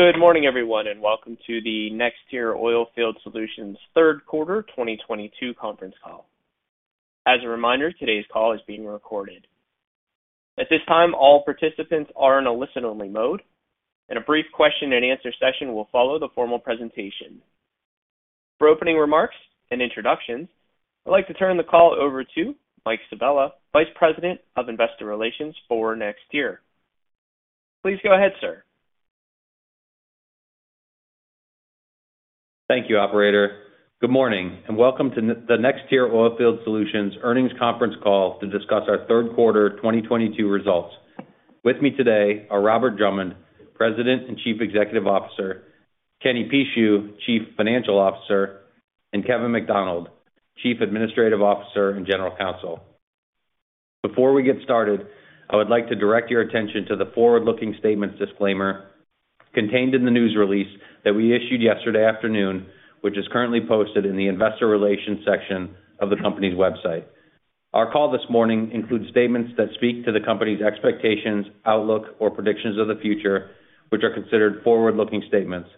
Good morning, everyone, and welcome to the NexTier Oilfield Solutions third quarter 2022 conference call. As a reminder, today's call is being recorded. At this time, all participants are in a listen-only mode, and a brief question and answer session will follow the formal presentation. For opening remarks and introductions, I'd like to turn the call over to Michael Sabella, Vice President of Investor Relations for NexTier. Please go ahead, sir Thank you, operator. Good morning, and welcome to the NexTier Oilfield Solutions earnings conference call to discuss our third quarter 2022 results. With me today are Robert Drummond, President and Chief Executive Officer, Kenneth Pucheu, Chief Financial Officer, and Kevin McDonald, Chief Administrative Officer and General Counsel. Before we get started, I would like to direct your attention to the forward-looking statements disclaimer contained in the news release that we issued yesterday afternoon, which is currently posted in the investor relations section of the company's website. Our call this morning includes statements that speak to the company's expectations, outlook, or predictions of the future, which are considered forward-looking statements.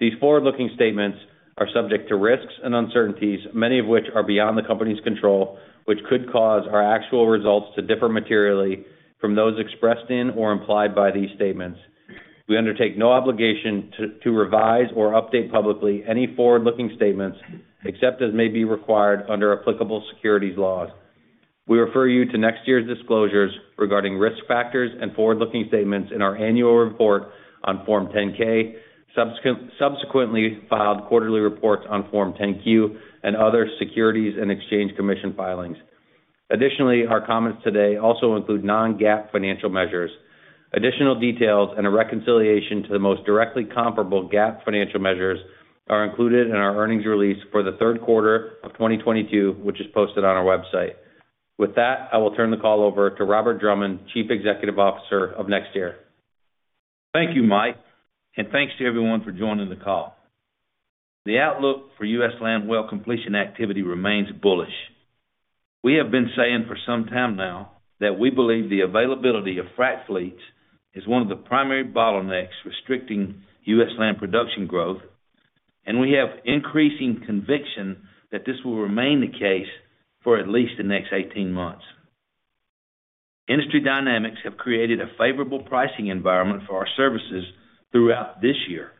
These forward-looking statements are subject to risks and uncertainties, many of which are beyond the company's control, which could cause our actual results to differ materially from those expressed in or implied by these statements. We undertake no obligation to revise or update publicly any forward-looking statements except as may be required under applicable securities laws. We refer you to NexTier's disclosures regarding risk factors and forward-looking statements in our annual report on Form 10-K, subsequently filed quarterly reports on Form 10-Q, and other Securities and Exchange Commission filings. Additionally, our comments today also include non-GAAP financial measures. Additional details and a reconciliation to the most directly comparable GAAP financial measures are included in our earnings release for the third quarter of 2022, which is posted on our website. With that, I will turn the call over to Robert Drummond, Chief Executive Officer of NexTier. Thank you, Mike, and thanks to everyone for joining the call. The outlook for U.S. land well completion activity remains bullish. We have been saying for some time now that we believe the availability of frac fleets is one of the primary bottlenecks restricting U.S. land production growth, and we have increasing conviction that this will remain the case for at least the next 18 months. Industry dynamics have created a favorable pricing environment for our services throughout this year.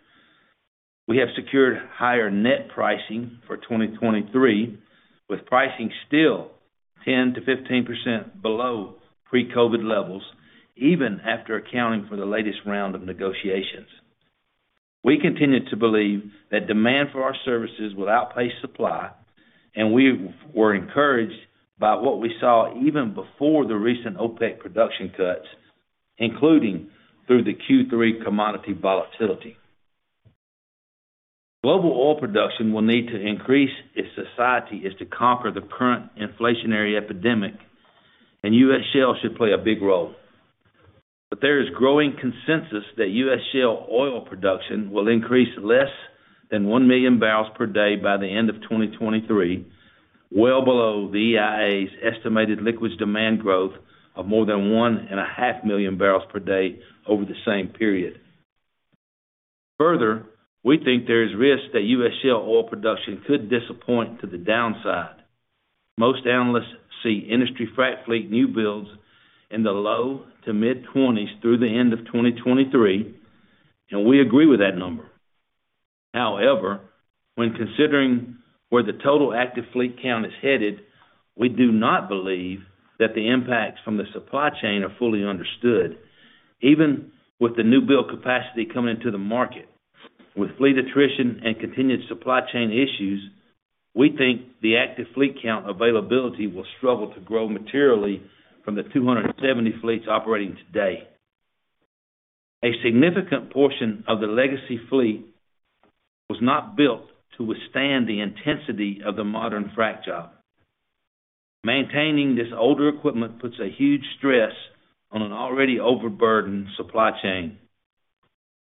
We have secured higher net pricing for 2023, with pricing still 10%-15% below pre-COVID levels, even after accounting for the latest round of negotiations. We continue to believe that demand for our services will outpace supply, and we were encouraged by what we saw even before the recent OPEC production cuts, including through the Q3 commodity volatility. Global oil production will need to increase if society is to conquer the current inflationary epidemic, and U.S. Shale should play a big role. There is growing consensus that U.S. Shale oil production will increase less than 1 million bbl per day by the end of 2023, well below the EIA's estimated liquids demand growth of more than 1.5 million bbl per day over the same period. Further, we think there is risk that U.S. Shale oil production could disappoint to the downside. Most analysts see industry frac fleet new builds in the low- to mid-20s through the end of 2023, and we agree with that number. However, when considering where the total active fleet count is headed, we do not believe that the impacts from the supply chain are fully understood. Even with the new build capacity coming into the market, with fleet attrition and continued supply chain issues, we think the active fleet count availability will struggle to grow materially from the 270 fleets operating today. A significant portion of the legacy fleet was not built to withstand the intensity of the modern frac job. Maintaining this older equipment puts a huge stress on an already overburdened supply chain.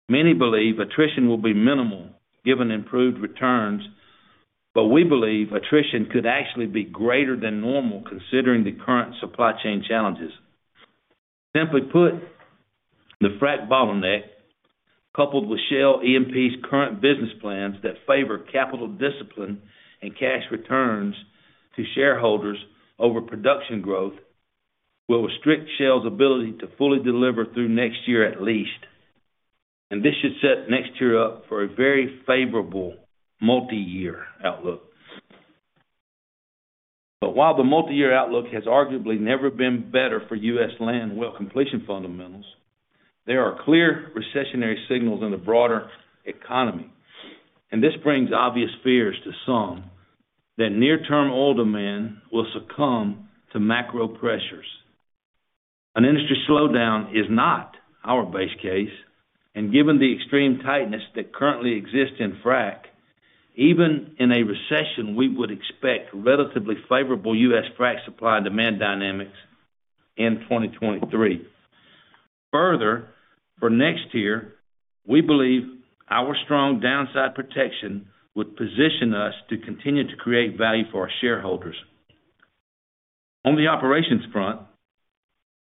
Many believe attrition will be minimal given improved returns, but we believe attrition could actually be greater than normal considering the current supply chain challenges. Simply put, the frac bottleneck, coupled with shale E&P's current business plans that favor capital discipline and cash returns to shareholders over production growth, will restrict shale's ability to fully deliver through next year at least. This should set next year up for a very favorable multi-year outlook. While the multi-year outlook has arguably never been better for U.S. land well completion fundamentals, there are clear recessionary signals in the broader economy. This brings obvious fears to some that near-term oil demand will succumb to macro pressures. An industry slowdown is not our base case, and given the extreme tightness that currently exists in frac, even in a recession, we would expect relatively favorable U.S. frac supply and demand dynamics in 2023. Further, for next year, we believe our strong downside protection would position us to continue to create value for our shareholders. On the operations front,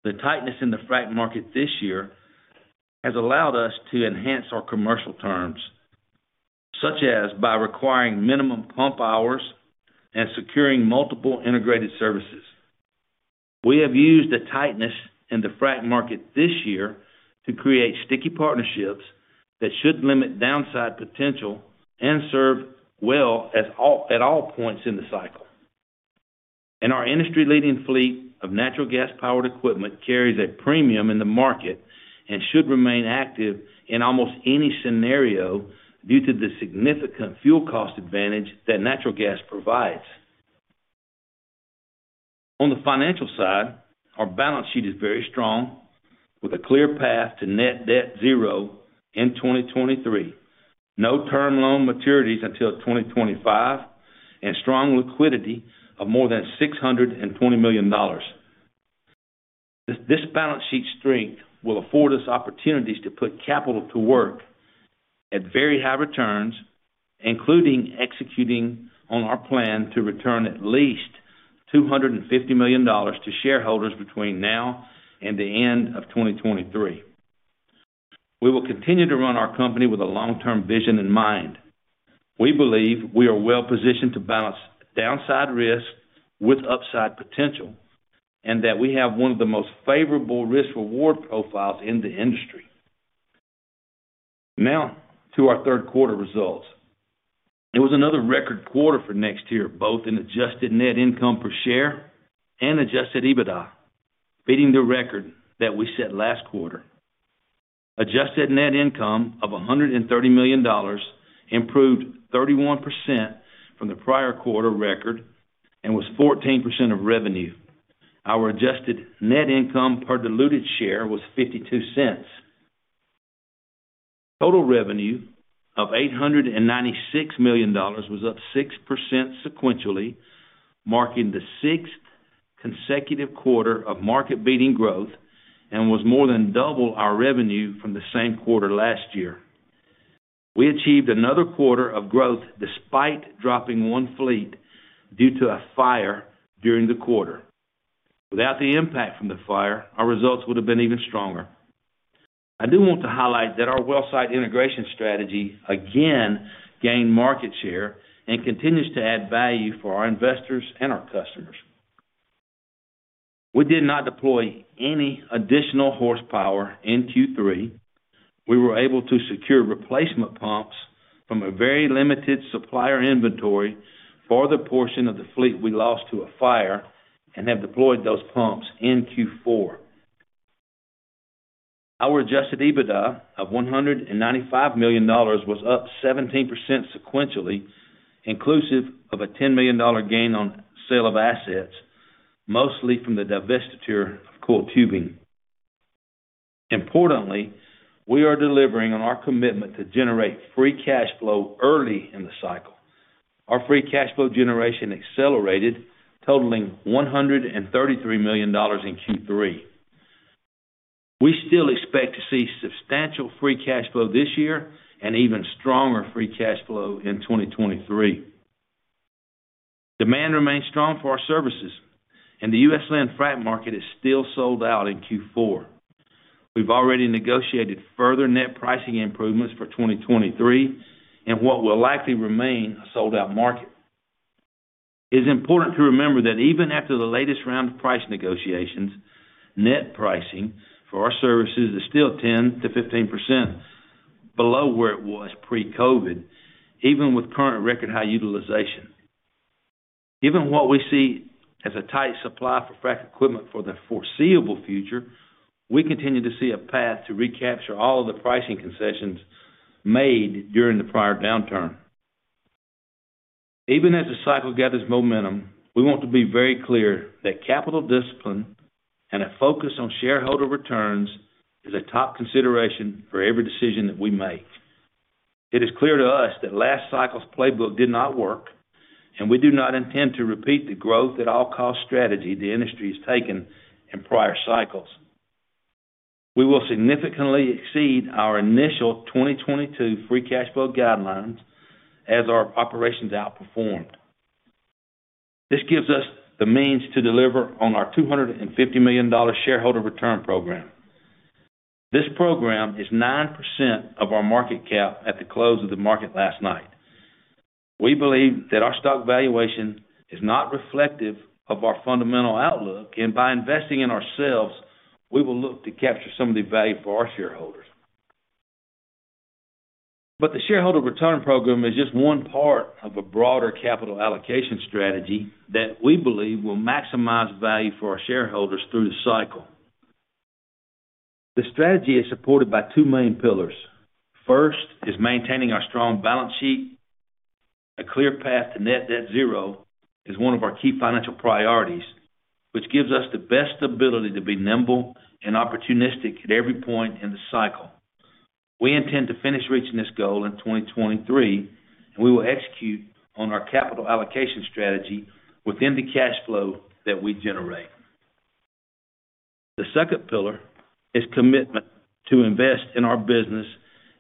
the tightness in the frac market this year has allowed us to enhance our commercial terms, such as by requiring minimum pump hours and securing multiple integrated services. We have used the tightness in the frac market this year to create sticky partnerships that should limit downside potential and serve well at all points in the cycle. Our industry-leading fleet of natural gas powered equipment carries a premium in the market and should remain active in almost any scenario due to the significant fuel cost advantage that natural gas provides. On the financial side, our balance sheet is very strong, with a clear path to net debt zero in 2023. No term loan maturities until 2025, and strong liquidity of more than $620 million. This balance sheet strength will afford us opportunities to put capital to work at very high returns, including executing on our plan to return at least $250 million to shareholders between now and the end of 2023. We will continue to run our company with a long-term vision in mind. We believe we are well-positioned to balance downside risk with upside potential, and that we have one of the most favorable risk-reward profiles in the industry. Now, to our third quarter results. It was another record quarter for NexTier, both in adjusted net income per share and Adjusted EBITDA, beating the record that we set last quarter. Adjusted net income of $130 million improved 31% from the prior quarter record and was 14% of revenue. Our adjusted net income per diluted share was $0.52. Total revenue of $896 million was up 6% sequentially, marking the sixth consecutive quarter of market-beating growth and was more than double our revenue from the same quarter last year. We achieved another quarter of growth despite dropping one fleet due to a fire during the quarter. Without the impact from the fire, our results would have been even stronger. I do want to highlight that our well site integration strategy again gained market share and continues to add value for our investors and our customers. We did not deploy any additional horsepower in Q3. We were able to secure replacement pumps from a very limited supplier inventory for the portion of the fleet we lost to a fire and have deployed those pumps in Q4. Our Adjusted EBITDA of $195 million was up 17% sequentially, inclusive of a $10 million gain on sale of assets, mostly from the divestiture of coiled tubing. Importantly, we are delivering on our commitment to generate free cash flow early in the cycle. Our free cash flow generation accelerated, totaling $133 million in Q3. We still expect to see substantial free cash flow this year and even stronger free cash flow in 2023. Demand remains strong for our services and the U.S. land frac market is still sold out in Q4. We've already negotiated further net pricing improvements for 2023 and what will likely remain a sold-out market. It's important to remember that even after the latest round of price negotiations, net pricing for our services is still 10%-15% below where it was pre-COVID, even with current record high utilization. Given what we see as a tight supply for frac equipment for the foreseeable future, we continue to see a path to recapture all of the pricing concessions made during the prior downturn. Even as the cycle gathers momentum, we want to be very clear that capital discipline and a focus on shareholder returns is a top consideration for every decision that we make. It is clear to us that last cycle's playbook did not work, and we do not intend to repeat the growth at all cost strategy the industry has taken in prior cycles. We will significantly exceed our initial 2022 free cash flow guidelines as our operations outperformed. This gives us the means to deliver on our $250 million shareholder return program. This program is 9% of our market cap at the close of the market last night. We believe that our stock valuation is not reflective of our fundamental outlook, and by investing in ourselves, we will look to capture some of the value for our shareholders. The shareholder return program is just one part of a broader capital allocation strategy that we believe will maximize value for our shareholders through the cycle. The strategy is supported by two main pillars. First is maintaining our strong balance sheet. A clear path to net debt zero is one of our key financial priorities, which gives us the best ability to be nimble and opportunistic at every point in the cycle. We intend to finish reaching this goal in 2023, and we will execute on our capital allocation strategy within the cash flow that we generate. The second pillar is commitment to invest in our business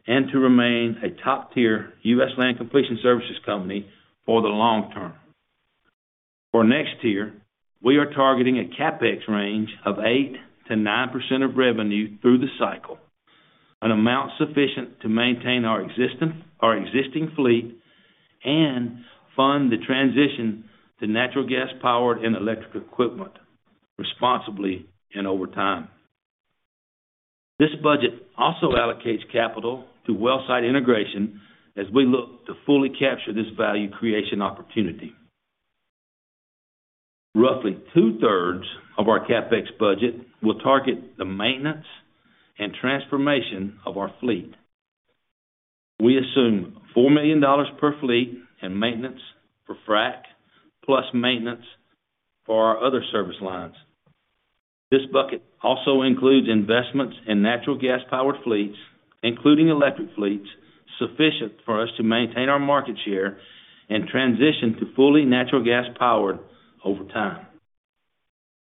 and to remain a top-tier U.S. land completion services company for the long term. For next year, we are targeting a CapEx range of 8%-9% of revenue through the cycle, an amount sufficient to maintain our existing fleet and fund the transition to natural gas powered and electric equipment responsibly and over time. This budget also allocates capital to well site integration as we look to fully capture this value creation opportunity. Roughly 2/3 of our CapEx budget will target the maintenance and transformation of our fleet. We assume $4 million per fleet in maintenance for frac, plus maintenance for our other service lines. This bucket also includes investments in natural gas powered fleets, including electric fleets, sufficient for us to maintain our market share and transition to fully natural gas powered over time.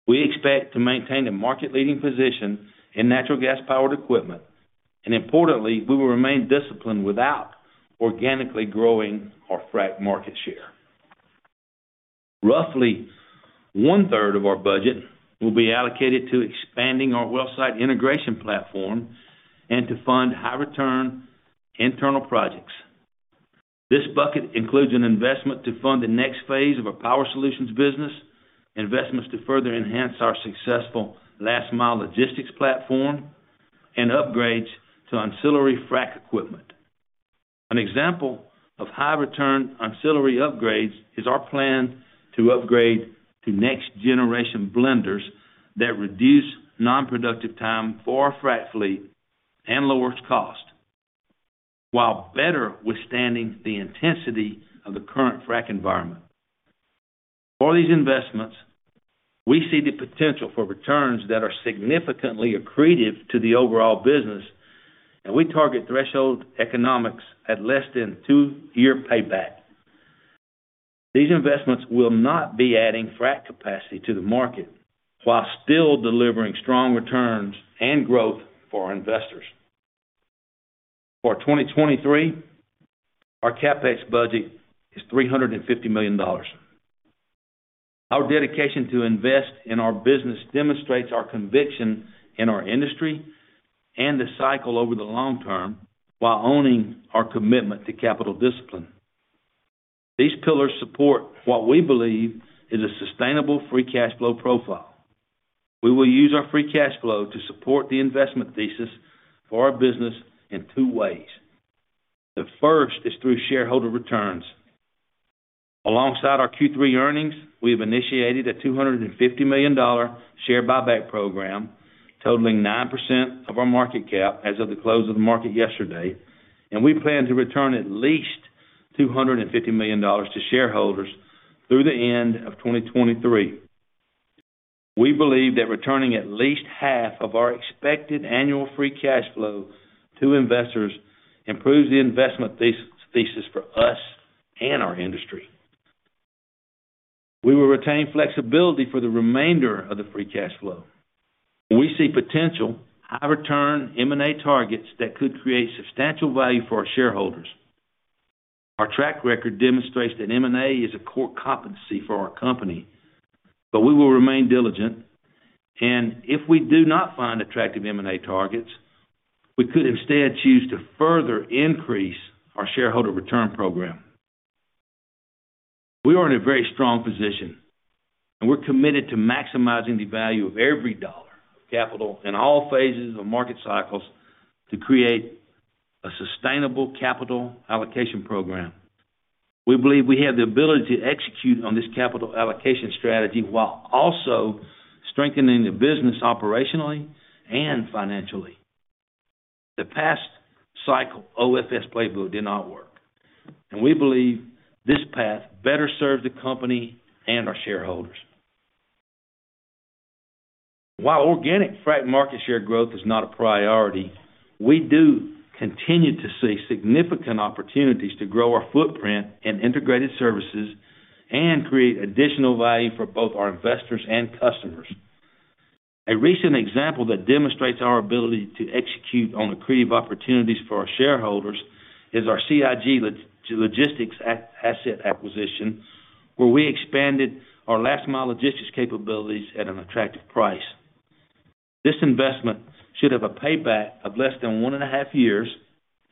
We expect to maintain a market-leading position in natural gas powered equipment, and importantly, we will remain disciplined without organically growing our frac market share. Roughly 1/3 of our budget will be allocated to expanding our well site integration platform and to fund high return internal projects. This bucket includes an investment to fund the next phase of our Power Solutions business, investments to further enhance our successful last mile logistics platform, and upgrades to ancillary frac equipment. An example of high return ancillary upgrades is our plan to upgrade to next generation blenders that reduce non-productive time for our frac fleet and lowers cost, while better withstanding the intensity of the current frac environment. For these investments, we see the potential for returns that are significantly accretive to the overall business, and we target threshold economics at less than two-year payback. These investments will not be adding frack capacity to the market while still delivering strong returns and growth for our investors. For 2023, our CapEx budget is $350 million. Our dedication to invest in our business demonstrates our conviction in our industry and the cycle over the long term while owning our commitment to capital discipline. These pillars support what we believe is a sustainable free cash flow profile. We will use our free cash flow to support the investment thesis for our business in two ways. The first is through shareholder returns. Alongside our Q3 earnings, we have initiated a $250 million share buyback program, totaling 9% of our market cap as of the close of the market yesterday, and we plan to return at least $250 million to shareholders through the end of 2023. We believe that returning at least half of our expected annual free cash flow to investors improves the investment thesis for us and our industry. We will retain flexibility for the remainder of the free cash flow. We see potential high return M&A targets that could create substantial value for our shareholders. Our track record demonstrates that M&A is a core competency for our company, but we will remain diligent. If we do not find attractive M&A targets, we could instead choose to further increase our shareholder return program. We are in a very strong position and we're committed to maximizing the value of every dollar of capital in all phases of market cycles to create a sustainable capital allocation program. We believe we have the ability to execute on this capital allocation strategy while also strengthening the business operationally and financially. The past cycle OFS playbook did not work, and we believe this path better serves the company and our shareholders. While organic frac market share growth is not a priority, we do continue to see significant opportunities to grow our footprint in integrated services and create additional value for both our investors and customers. A recent example that demonstrates our ability to execute on accretive opportunities for our shareholders is our CIG Logistics asset acquisition, where we expanded our last mile logistics capabilities at an attractive price. This investment should have a payback of less than 1.5 years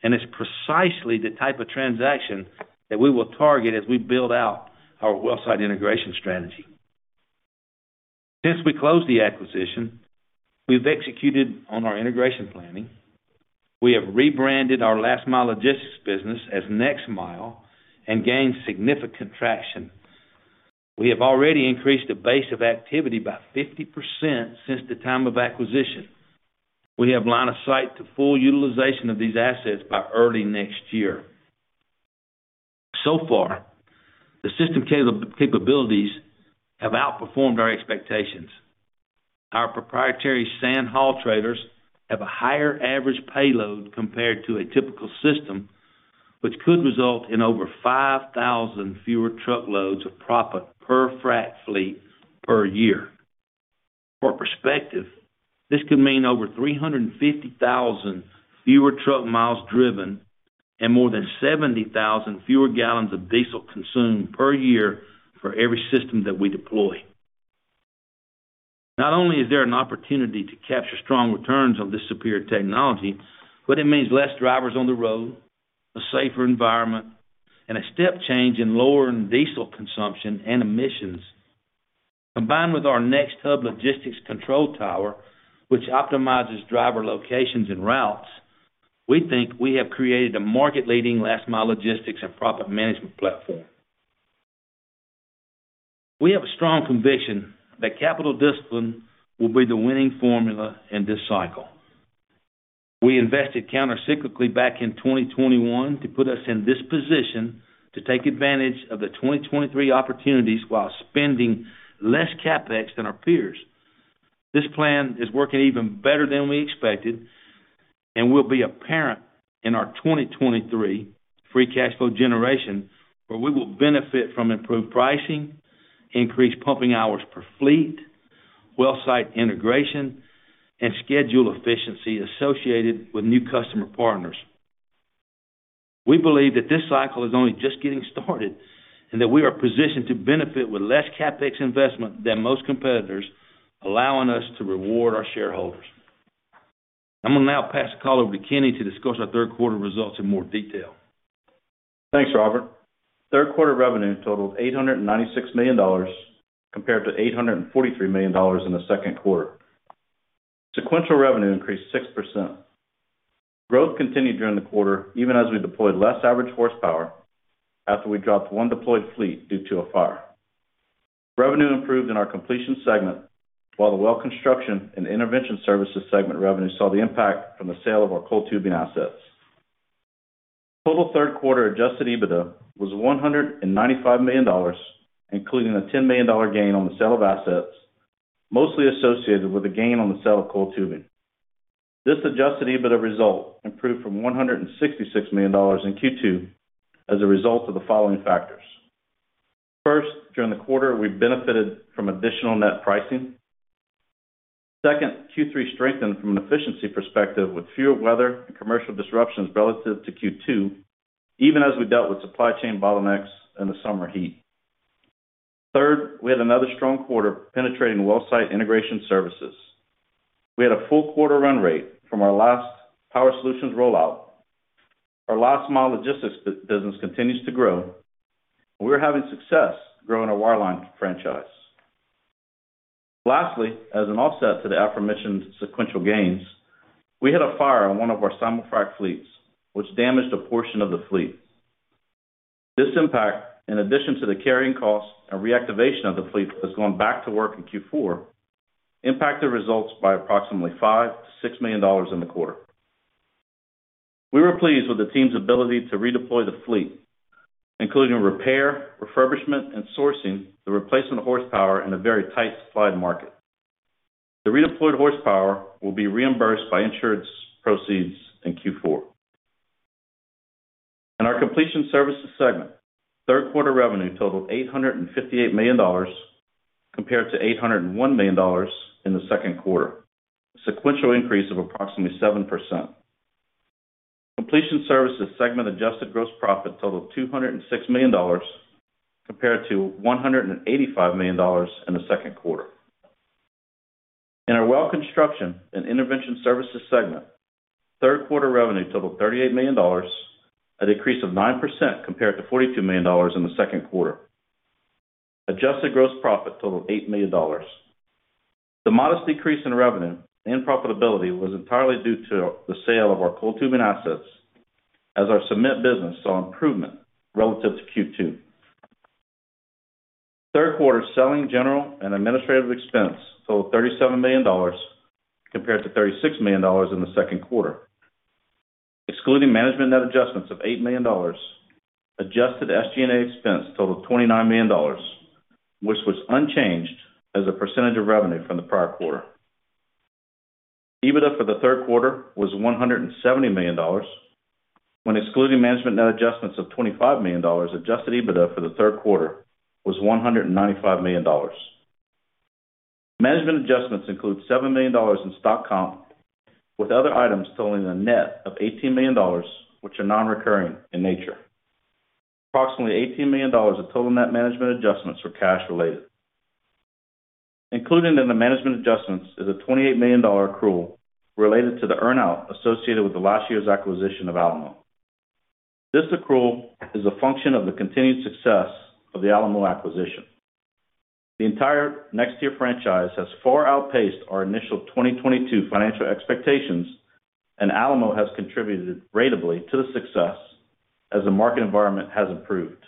and is precisely the type of transaction that we will target as we build out our well site integration strategy. Since we closed the acquisition, we've executed on our integration planning. We have rebranded our last mile logistics business as NexMile and gained significant traction. We have already increased the base of activity by 50% since the time of acquisition. We have line of sight to full utilization of these assets by early next year. So far, the system capabilities have outperformed our expectations. Our proprietary sand haul trailers have a higher average payload compared to a typical system, which could result in over 5,000 fewer truckloads of proppant per frac fleet per year. For perspective, this could mean over 350,000 fewer truck miles driven and more than 70,000 fewer gallons of diesel consumed per year for every system that we deploy. Not only is there an opportunity to capture strong returns on this superior technology, but it means less drivers on the road, a safer environment, and a step change in lowering diesel consumption and emissions. Combined with our NexHub logistics control tower, which optimizes driver locations and routes, we think we have created a market-leading last mile logistics and proppant management platform. We have a strong conviction that capital discipline will be the winning formula in this cycle. We invested counter-cyclically back in 2021 to put us in this position to take advantage of the 2023 opportunities while spending less CapEx than our peers. This plan is working even better than we expected, and will be apparent in our 2023 free cash flow generation, where we will benefit from improved pricing, increased pumping hours per fleet, well site integration, and schedule efficiency associated with new customer partners. We believe that this cycle is only just getting started and that we are positioned to benefit with less CapEx investment than most competitors, allowing us to reward our shareholders. I'm gonna now pass the call over to Kenny to discuss our third quarter results in more detail. Thanks, Robert. Third quarter revenue totaled $896 million compared to $843 million in the second quarter. Sequential revenue increased 6%. Growth continued during the quarter, even as we deployed less average horsepower after we dropped one deployed fleet due to a fire. Revenue improved in our completion segment, while the well construction and intervention services segment revenue saw the impact from the sale of our coiled tubing assets. Total third quarter Adjusted EBITDA was $195 million, including a $10 million gain on the sale of assets, mostly associated with a gain on the sale of coiled tubing. This Adjusted EBITDA result improved from $166 million in Q2 as a result of the following factors. First, during the quarter, we benefited from additional net pricing. Second, Q3 strengthened from an efficiency perspective with fewer weather and commercial disruptions relative to Q2, even as we dealt with supply chain bottlenecks and the summer heat. Third, we had another strong quarter penetrating well site integration services. We had a full quarter run rate from our last Power Solutions rollout. Our last mile logistics business continues to grow. We're having success growing our wireline franchise. Lastly, as an offset to the aforementioned sequential gains, we had a fire on one of our simul-frac fleets, which damaged a portion of the fleet. This impact, in addition to the carrying cost and reactivation of the fleet that's gone back to work in Q4, impacted results by approximately $5-$6 million in the quarter. We were pleased with the team's ability to redeploy the fleet, including repair, refurbishment, and sourcing the replacement horsepower in a very tight supply market. The redeployed horsepower will be reimbursed by insurance proceeds in Q4. In our completion services segment, third quarter revenue totaled $858 million compared to $801 million in the second quarter. Sequential increase of approximately 7%. Completion services segment adjusted gross profit totaled $206 million compared to $185 million in the second quarter. In our well construction and intervention services segment, third quarter revenue totaled $38 million, a decrease of 9% compared to $42 million in the second quarter. Adjusted gross profit totaled $8 million. The modest decrease in revenue and profitability was entirely due to the sale of our coiled tubing assets as our cement business saw improvement relative to Q2. Third quarter selling, general, and administrative expense totaled $37 million compared to $36 million in the second quarter. Excluding management net adjustments of $8 million, Adjusted SG&A expense totaled $29 million, which was unchanged as a percentage of revenue from the prior quarter. EBITDA for the third quarter was $170 million. When excluding management net adjustments of $25 million, Adjusted EBITDA for the third quarter was $195 million. Management adjustments include $7 million in stock comp, with other items totaling a net of $18 million, which are non-recurring in nature. Approximately $18 million of total net management adjustments were cash related. Included in the management adjustments is a $28 million accrual related to the earn-out associated with the last year's acquisition of Alamo. This accrual is a function of the continued success of the Alamo acquisition. The entire NexTier franchise has far outpaced our initial 2022 financial expectations, and Alamo has contributed ratably to the success as the market environment has improved.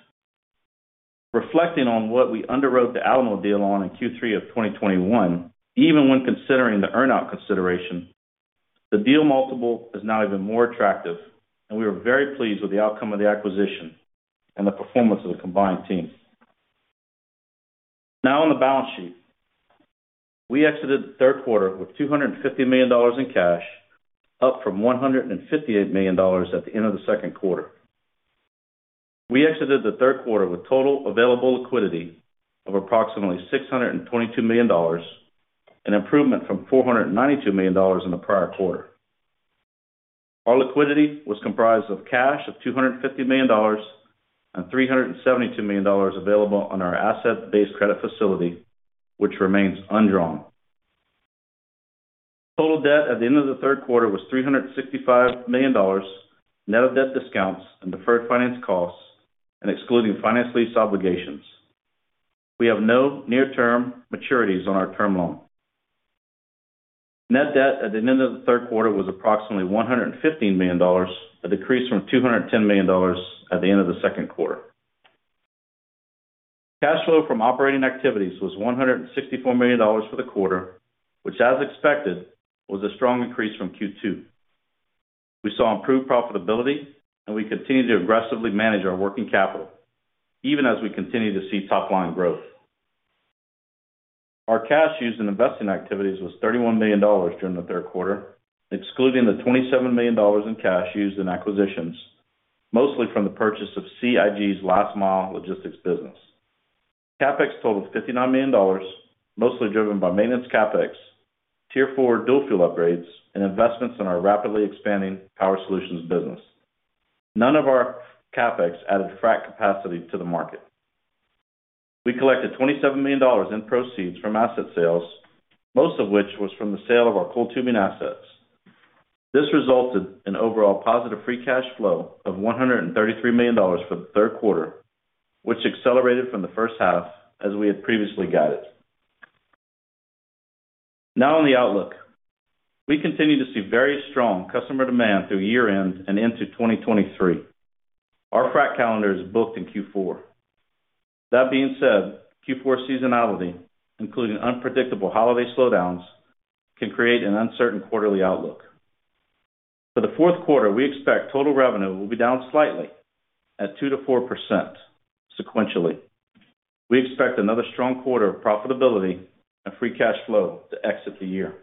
Reflecting on what we underwrote the Alamo deal on in Q3 of 2021, even when considering the earn-out consideration, the deal multiple is now even more attractive, and we are very pleased with the outcome of the acquisition and the performance of the combined team. Now, on the balance sheet. We exited the third quarter with $250 million in cash, up from $158 million at the end of the second quarter. We exited the third quarter with total available liquidity of approximately $622 million, an improvement from $492 million in the prior quarter. Our liquidity was comprised of cash of $250 million and $372 million available on our asset-based credit facility, which remains undrawn. Total debt at the end of the third quarter was $365 million, net of debt discounts and deferred finance costs, and excluding finance lease obligations. We have no near term maturities on our term loan. Net debt at the end of the third quarter was approximately $115 million, a decrease from $210 million at the end of the second quarter. Cash flow from operating activities was $164 million for the quarter, which as expected, was a strong increase from Q2. We saw improved profitability and we continued to aggressively manage our working capital even as we continue to see top line growth. Our cash used in investing activities was $31 million during the third quarter, excluding the $27 million in cash used in acquisitions, mostly from the purchase of CIG's last mile logistics business. CapEx total of $59 million, mostly driven by maintenance CapEx, Tier 4 dual fuel upgrades and investments in our rapidly expanding Power Solutions business. None of our CapEx added frac capacity to the market. We collected $27 million in proceeds from asset sales, most of which was from the sale of our coiled tubing assets. This resulted in overall positive free cash flow of $133 million for the third quarter, which accelerated from the first half as we had previously guided. Now, on the outlook. We continue to see very strong customer demand through year-end and into 2023. Our frac calendar is booked in Q4. That being said, Q4 seasonality, including unpredictable holiday slowdowns, can create an uncertain quarterly outlook. For the fourth quarter, we expect total revenue will be down slightly at 2%-4% sequentially. We expect another strong quarter of profitability and free cash flow to exit the year.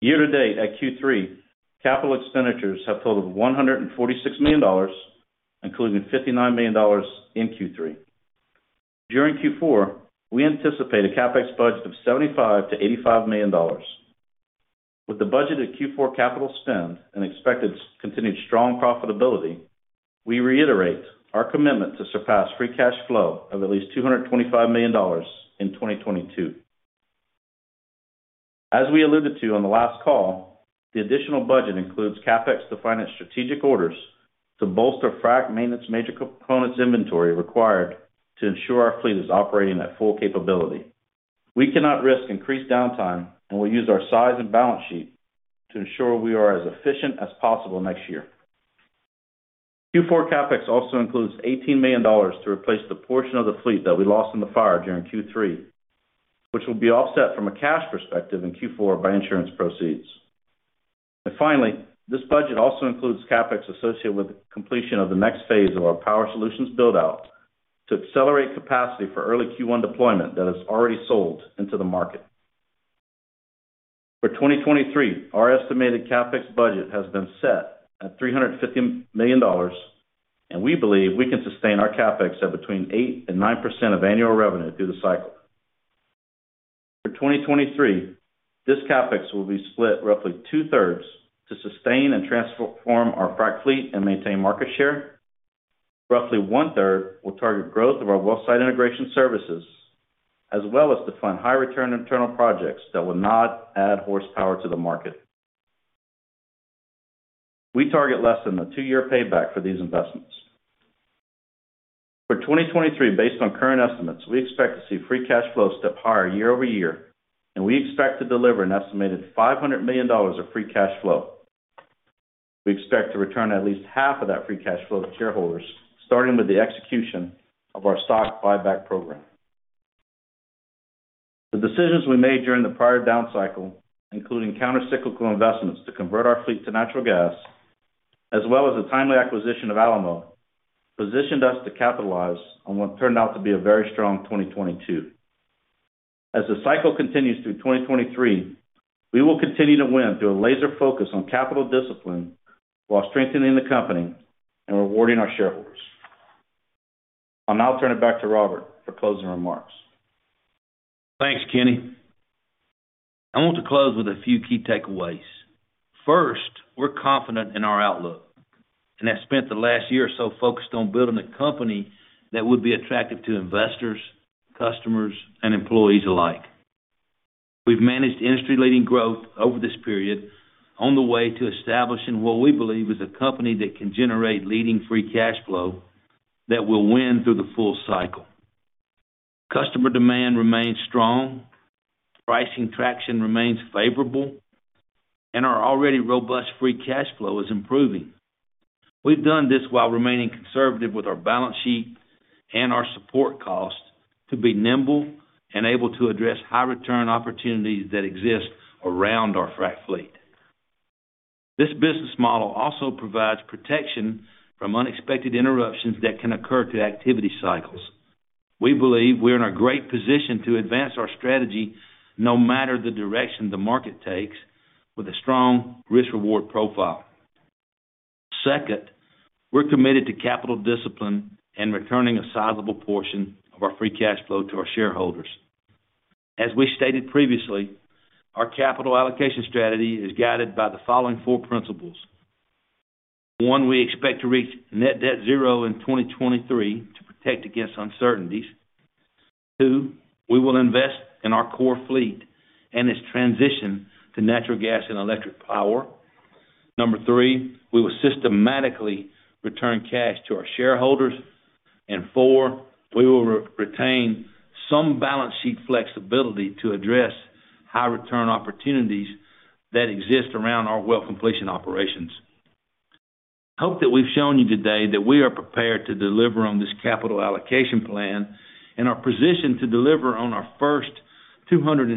Year to date at Q3, capital expenditures have totaled $146 million, including $59 million in Q3. During Q4, we anticipate a CapEx budget of $75 million-$85 million. With the budget of Q4 capital spend and expected continued strong profitability, we reiterate our commitment to surpass free cash flow of at least $225 million in 2022. As we alluded to on the last call, the additional budget includes CapEx to finance strategic orders to bolster frac maintenance major components inventory required to ensure our fleet is operating at full capability. We cannot risk increased downtime, and we'll use our size and balance sheet to ensure we are as efficient as possible next year. Q4 CapEx also includes $18 million to replace the portion of the fleet that we lost in the fire during Q3, which will be offset from a cash perspective in Q4 by insurance proceeds. Finally, this budget also includes CapEx associated with completion of the next phase of our Power Solutions build out to accelerate capacity for early Q1 deployment that is already sold into the market. For 2023, our estimated CapEx budget has been set at $350 million, and we believe we can sustain our CapEx at between 8%-9% of annual revenue through the cycle. For 2023, this CapEx will be split roughly 2/3 to sustain and transform our frac fleet and maintain market share. Roughly 1/3 will target growth of our well site integration services, as well as to fund high return internal projects that will not add horsepower to the market. We target less than a two-year payback for these investments. For 2023, based on current estimates, we expect to see free cash flow step higher year-over-year, and we expect to deliver an estimated $500 million of free cash flow. We expect to return at least half of that free cash flow to shareholders, starting with the execution of our stock buyback program. The decisions we made during the prior down cycle, including counter cyclical investments to convert our fleet to natural gas, as well as the timely acquisition of Alamo, positioned us to capitalize on what turned out to be a very strong 2022. As the cycle continues through 2023, we will continue to win through a laser focus on capital discipline while strengthening the company and rewarding our shareholders. I'll now turn it back to Robert for closing remarks. Thanks, Kenny. I want to close with a few key takeaways. First, we're confident in our outlook, and have spent the last year or so focused on building a company that would be attractive to investors, customers, and employees alike. We've managed industry leading growth over this period on the way to establishing what we believe is a company that can generate leading free cash flow that will win through the full cycle. Customer demand remains strong, pricing traction remains favorable, and our already robust free cash flow is improving. We've done this while remaining conservative with our balance sheet and our support costs to be nimble and able to address high return opportunities that exist around our frac fleet. This business model also provides protection from unexpected interruptions that can occur to activity cycles. We believe we're in a great position to advance our strategy, no matter the direction the market takes, with a strong risk-reward profile. Second, we're committed to capital discipline and returning a sizable portion of our free cash flow to our shareholders. As we stated previously, our capital allocation strategy is guided by the following four principles. One, we expect to reach net debt zero in 2023 to protect against uncertainties. Two, we will invest in our core fleet and its transition to natural gas and electric power. Number three, we will systematically return cash to our shareholders. Four, we will retain some balance sheet flexibility to address high return opportunities that exist around our well completion operations. Hope that we've shown you today that we are prepared to deliver on this capital allocation plan and are positioned to deliver on our first $250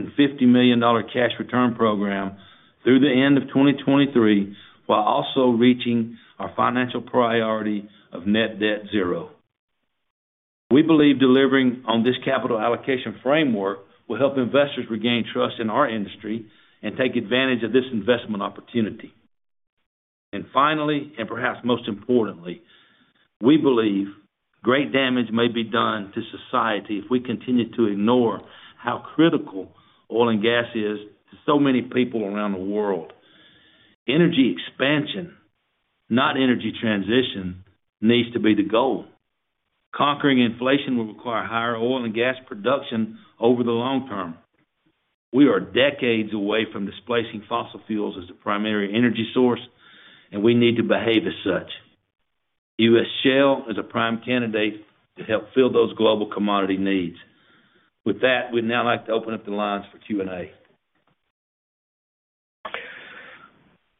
million cash return program through the end of 2023, while also reaching our financial priority of net debt zero. We believe delivering on this capital allocation framework will help investors regain trust in our industry and take advantage of this investment opportunity. Finally, and perhaps most importantly, we believe great damage may be done to society if we continue to ignore how critical oil and gas is to so many people around the world. Energy expansion, not energy transition, needs to be the goal. Conquering inflation will require higher oil and gas production over the long term. We are decades away from displacing fossil fuels as the primary energy source, and we need to behave as such. U.S. Shale is a prime candidate to help fill those global commodity needs. With that, we'd now like to open up the lines for Q&A.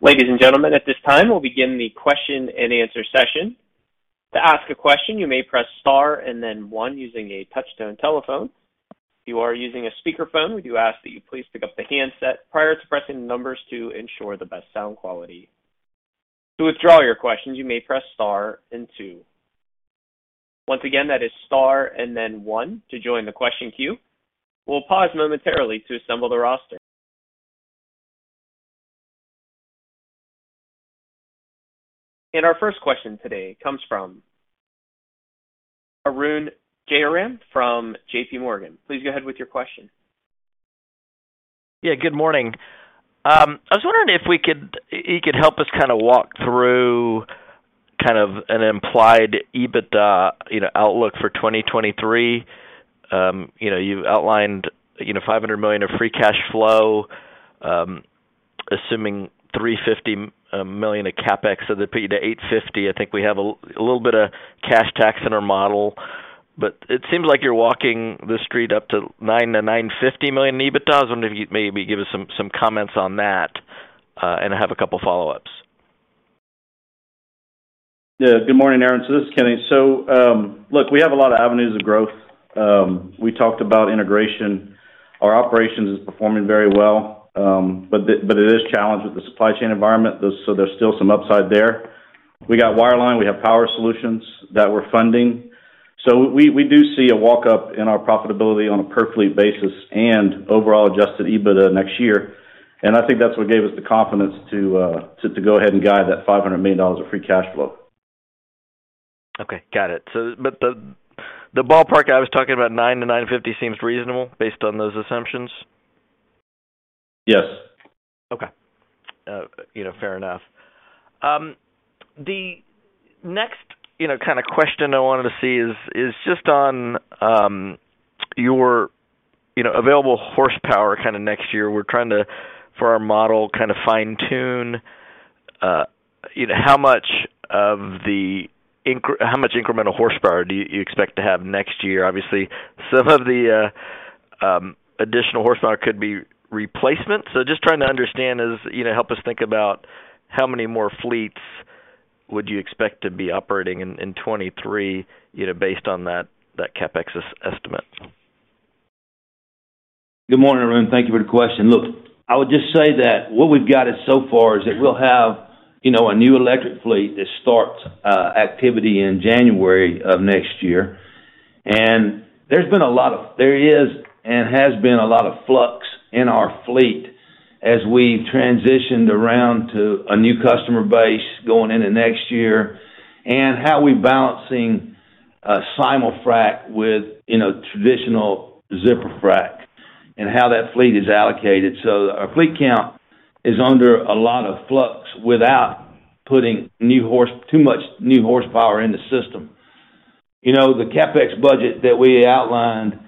Ladies and gentlemen, at this time, we'll begin the question and answer session. To ask a question, you may press star and then one using a touch-tone telephone. If you are using a speakerphone, we do ask that you please pick up the handset prior to pressing numbers to ensure the best sound quality. To withdraw your questions, you may press star and two. Once again, that is star and then one to join the question queue. We'll pause momentarily to assemble the roster. Our first question today comes from Arun Jayaram from JPMorgan. Please go ahead with your question. Yeah, good morning. I was wondering if you could help us kinda walk through kind of an implied EBITDA, you know, outlook for 2023. You know, you've outlined, you know, $500 million of free cash flow, assuming $350 million of CapEx. So that'd be the $850. I think we have a little bit of cash tax in our model, but it seems like you're walking the street up to $900-$950 million EBITDA. I was wondering if you'd maybe give us some comments on that, and I have a couple follow-ups. Yeah. Good morning, Arun. This is Kenny. Look, we have a lot of avenues of growth. We talked about integration. Our operations is performing very well, but it is challenged with the supply chain environment. There's still some upside there. We got wireline, we have Power Solutions that we're funding. We do see a walk up in our profitability on a per fleet basis and overall Adjusted EBITDA next year. I think that's what gave us the confidence to go ahead and guide that $500 million of free cash flow. Okay. Got it. The ballpark I was talking about, $9-$9.50 seems reasonable based on those assumptions? Yes. Okay. You know, fair enough. The next, you know, kind of question I wanted to see is just on your, you know, available horsepower kinda next year. We're trying to, for our model, kind of fine tune, you know, how much incremental horsepower do you expect to have next year? Obviously, some of the additional horsepower could be replacements. Just trying to understand is you know, help us think about how many more fleets would you expect to be operating in 2023, you know, based on that CapEx estimate. Good morning, everyone. Thank you for the question. Look, I would just say that what we've got so far is that we'll have, you know, a new electric fleet that starts activity in January of next year. There is and has been a lot of flux in our fleet as we've transitioned around to a new customer base going into next year and how we're balancing a simul-frac with, you know, traditional zipper frac and how that fleet is allocated. Our fleet count is under a lot of flux without putting too much new horsepower in the system. You know, the CapEx budget that we outlined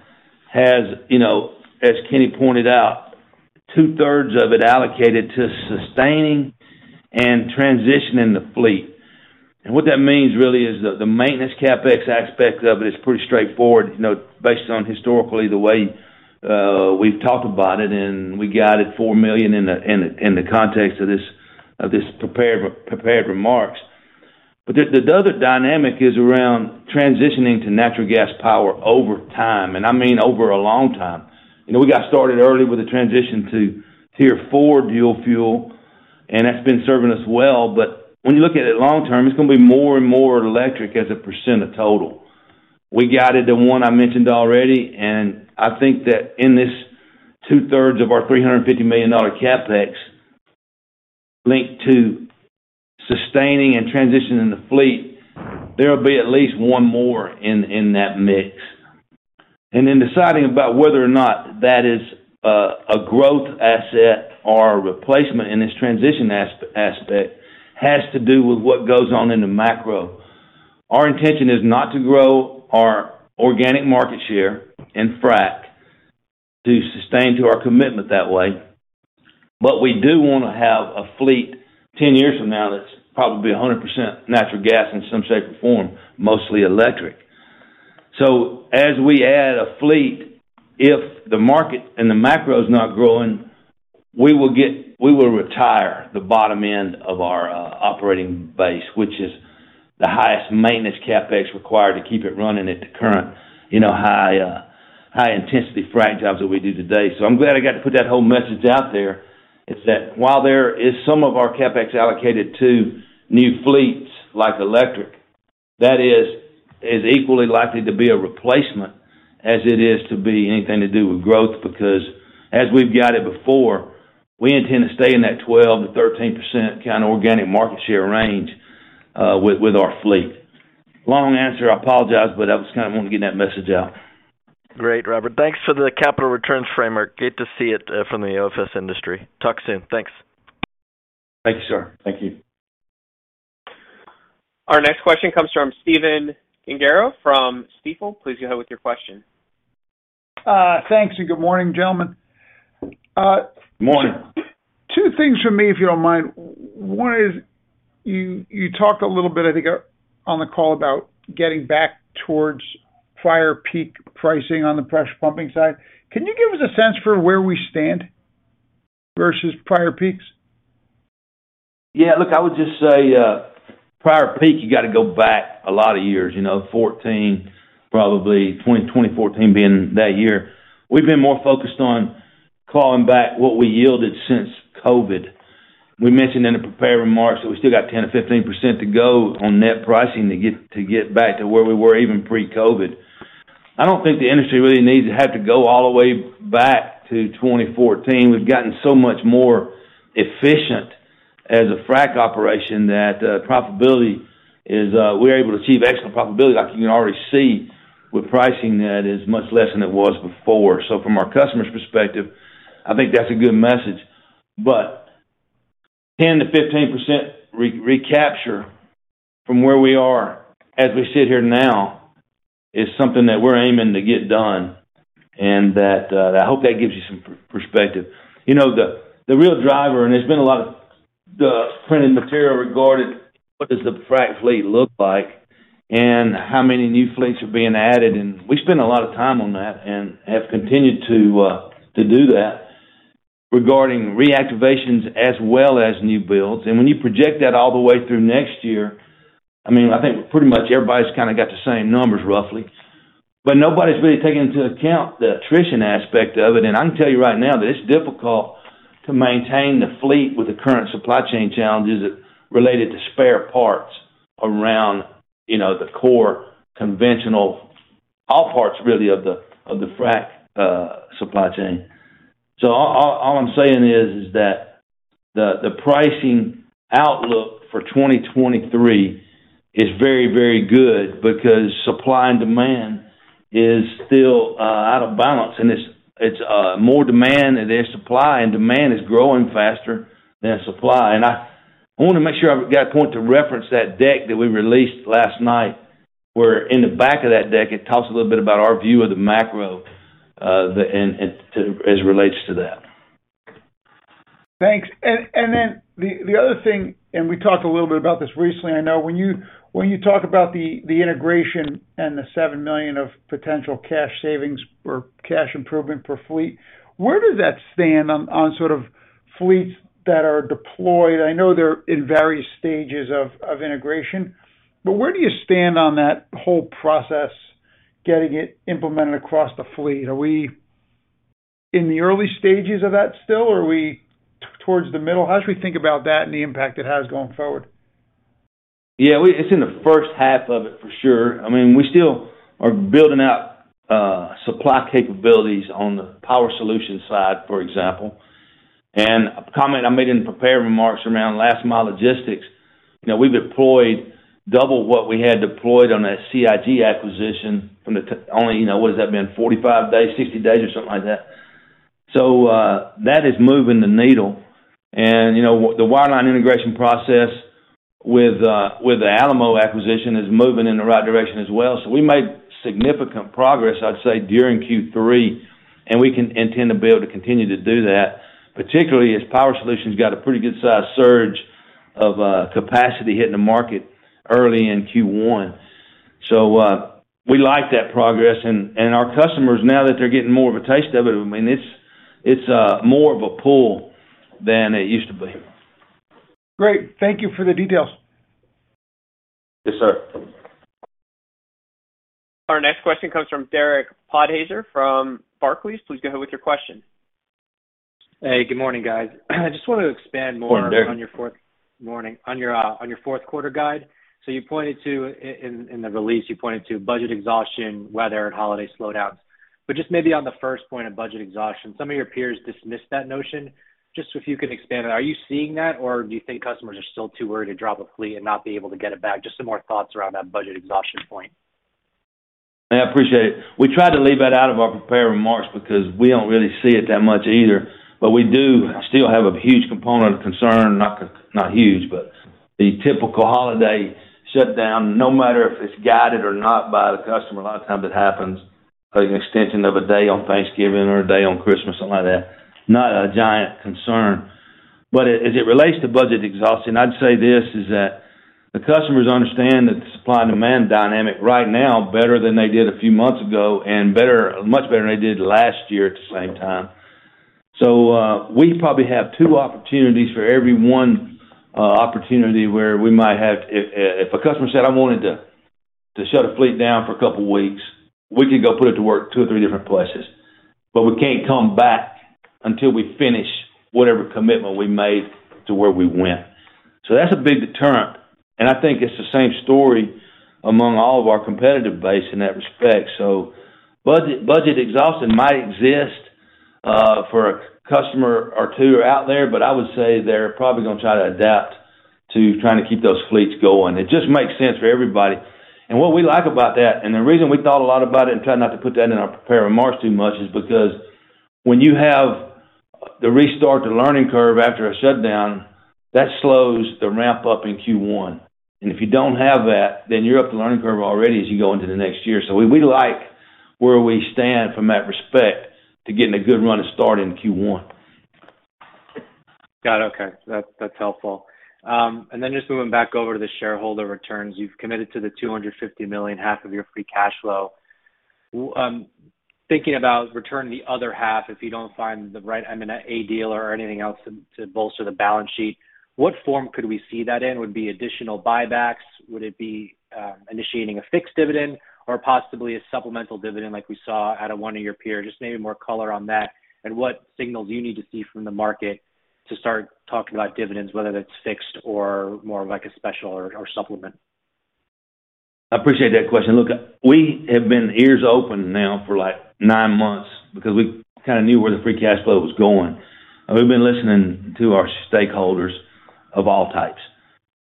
has, you know, as Kenny pointed out, two-thirds of it allocated to sustaining and transitioning the fleet. What that means really is the maintenance CapEx aspect of it is pretty straightforward, you know, based on historical the way we've talked about it, and we guided $4 million in the context of this prepared remarks. The other dynamic is around transitioning to natural gas power over time, I mean, over a long time. You know, we got started early with the transition to Tier 4 dual fuel, and that's been serving us well. When you look at it long term, it's gonna be more and more electric as a percent of total. We guided the one I mentioned already, and I think that in this 2\3 of our $350 million CapEx linked to sustaining and transitioning the fleet, there'll be at least one more in that mix. In deciding about whether or not that is a growth asset or a replacement in this transition aspect has to do with what goes on in the macro. Our intention is not to grow our organic market share in frac to sustain our commitment that way. We do wanna have a fleet 10 years from now that's probably 100% natural gas in some shape or form, mostly electric. As we add a fleet, if the market and the macro is not growing, we will retire the bottom end of our operating base, which is the highest maintenance CapEx required to keep it running at the current, you know, high intensity frac jobs that we do today. I'm glad I got to put that whole message out there, is that while there is some of our CapEx allocated to new fleets like electric, that is equally likely to be a replacement as it is to be anything to do with growth. Because as we've guided before, we intend to stay in that 12%-13% kind of organic market share range with our fleet. Long answer, I apologize, but I just kind of wanted to get that message out. Great, Robert. Thanks for the capital returns framework. Good to see it from the OFS industry. Talk soon. Thanks. Thank you, sir. Thank you. Our next question comes from Stephen Gengaro from Stifel. Please go ahead with your question. Thanks, and good morning, gentlemen. Morning. Two things from me, if you don't mind. One is, you talked a little bit, I think, on the call about getting back towards prior peak pricing on the pressure pumping side. Can you give us a sense for where we stand versus prior peaks? Yeah, look, I would just say, prior peak, you got to go back a lot of years, you know, 2014 probably, 20, 2014 being that year. We've been more focused on clawing back what we yielded since COVID. We mentioned in the prepared remarks that we still got 10%-15% to go on net pricing to get back to where we were even pre-COVID. I don't think the industry really needs to have to go all the way back to 2014. We've gotten so much more efficient as a frac operation that profitability, we're able to achieve excellent profitability like you can already see with pricing that is much less than it was before. From our customer's perspective, I think that's a good message. 10%-15% recapture from where we are as we sit here now is something that we're aiming to get done, and that, I hope that gives you some perspective. You know, the real driver, and there's been a lot of printed material regarding what does the frac fleet look like and how many new fleets are being added. We spend a lot of time on that and have continued to do that regarding reactivations as well as new builds. When you project that all the way through next year, I mean, I think pretty much everybody's kinda got the same numbers, roughly. Nobody's really taking into account the attrition aspect of it. I can tell you right now that it's difficult to maintain the fleet with the current supply chain challenges related to spare parts around, you know, the core conventional all parts really of the frac supply chain. All I'm saying is that the pricing outlook for 2023 is very, very good because supply and demand is still out of balance. It's more demand than supply, and demand is growing faster than supply. I wanna make sure I've got a point to reference that deck that we released last night, where in the back of that deck, it talks a little bit about our view of the macro as it relates to that. Thanks. Then the other thing, and we talked a little bit about this recently. I know when you talk about the integration and the $7 million of potential cash savings or cash improvement per fleet, where does that stand on sort of fleets that are deployed? I know they're in various stages of integration, but where do you stand on that whole process, getting it implemented across the fleet? Are we in the early stages of that still, or are we towards the middle? How should we think about that and the impact it has going forward? Yeah. It's in the first half of it for sure. I mean, we still are building out supply capabilities on the Power Solutions side, for example. A comment I made in prepared remarks around last mile logistics. You know, we've deployed double what we had deployed on that CIG acquisition from then, only you know what has that been? 45 days, 60 days or something like that. That is moving the needle. You know, with the wireline integration process with the Alamo acquisition is moving in the right direction as well. We made significant progress, I'd say, during Q3, and we intend to be able to continue to do that, particularly as Power Solutions got a pretty good sized surge of capacity hitting the market early in Q1. We like that progress. Our customers, now that they're getting more of a taste of it, I mean, it's more of a pull than it used to be. Great. Thank you for the details. Yes, sir. Our next question comes from Derek Podhaizer from Barclays. Please go ahead with your question. Hey, good morning, guys. I just wanted to expand more. Morning, Derek. On your fourth quarter guide. You pointed to in the release, you pointed to budget exhaustion, weather, and holiday slowdowns. Just maybe on the first point of budget exhaustion, some of your peers dismissed that notion. Just so if you can expand it, are you seeing that or do you think customers are still too worried to drop a fleet and not be able to get it back? Just some more thoughts around that budget exhaustion point. Yeah, I appreciate it. We tried to leave that out of our prepared remarks because we don't really see it that much either. We do still have a huge component of concern, not huge, but the typical holiday shutdown, no matter if it's guided or not by the customer, a lot of times it happens like an extension of a day on Thanksgiving or a day on Christmas, something like that. Not a giant concern. As it relates to budget exhaustion, I'd say this is that the customers understand the supply and demand dynamic right now better than they did a few months ago and better, much better than they did last year at the same time. We probably have two opportunities for every one opportunity where we might have. If a customer said, "I wanted to shut a fleet down for a couple of weeks," we could go put it to work two or three different places. We can't come back until we finish whatever commitment we made to where we went. That's a big deterrent, and I think it's the same story among all of our competitive base in that respect. Budget exhaustion might exist for a customer or two out there, but I would say they're probably gonna try to adapt to trying to keep those fleets going. It just makes sense for everybody. What we like about that, and the reason we thought a lot about it and tried not to put that in our prepared remarks too much is because when you have the restart to learning curve after a shutdown, that slows the ramp-up in Q1. If you don't have that, then you're up the learning curve already as you go into the next year. We like where we stand from that respect to getting a good running start in Q1. Got it. Okay. That's helpful. Then just moving back over to the shareholder returns. You've committed to the $250 million, half of your free cash flow. Thinking about returning the other half, if you don't find the right, I mean, a deal or anything else to bolster the balance sheet, what form could we see that in? Would it be additional buybacks? Would it be initiating a fixed dividend or possibly a supplemental dividend like we saw at a one-year period? Just maybe more color on that. What signals you need to see from the market to start talking about dividends, whether that's fixed or more of like a special or supplement. I appreciate that question. Look, we have been ears open now for like nine months because we kind of knew where the free cash flow was going. We've been listening to our stakeholders of all types.